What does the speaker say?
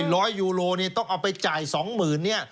ร้อยยูโรเนี่ยต้องเอาไปจ่ายสองหมื่นเนี่ย